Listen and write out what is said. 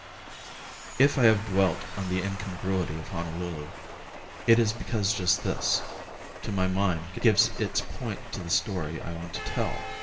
If I have dwelt on the incongruity of Honolulu, it is because just this, to my mind, gives its point to the story I want to tell.